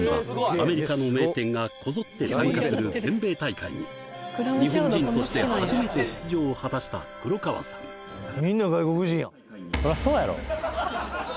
アメリカの名店がこぞって参加する全米大会に日本人として初めて出場を果たした黒川さんえ！